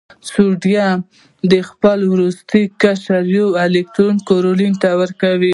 سوډیم د خپل وروستي قشر یو الکترون کلورین ته ورکوي.